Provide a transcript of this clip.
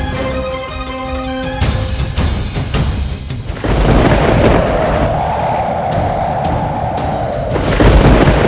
biarkan kanda mengobati